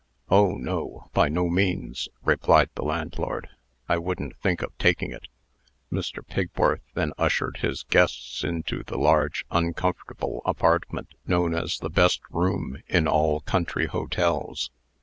"Oh, no! by no means!" replied the landlord. "I wouldn't think of taking it." Mr. Pigworth then ushered his guests into the large, uncomfortable apartment known as the "best room" in all country hotels.